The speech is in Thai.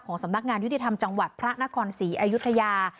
สำนักงานยุติธรรมจังหวัดพระนครศรีอายุทยา